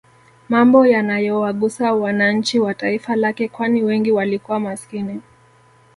Mambo yanayowagusa wananchi wa taifa lake kwani wengi walikuwa maskini